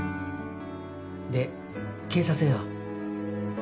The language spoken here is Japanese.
で警察へは？